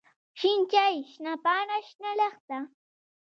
شين چای، شنه پاڼه، شنه لښته.